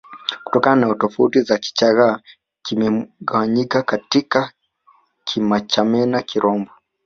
Kutokana na tofauti hizo Kichagga kimegawanyika katika Kimachamena Kirombo